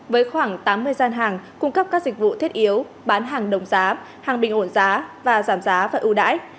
với khoảng tám mươi gian hàng cung cấp các dịch vụ thiết yếu bán hàng đồng giá hàng bình ổn giá và giảm giá và ưu đãi